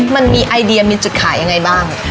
มันมีไอเดียมีจุดขายยังไงบ้าง